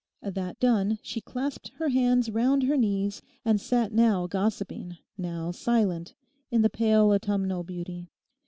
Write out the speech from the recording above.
That done, she clasped her hands round her knees, and sat now gossiping, now silent, in the pale autumnal beauty.